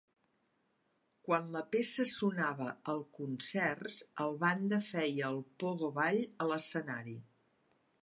Quan la peça sonava al concerts, el banda feia el pogo ball a l'escenari.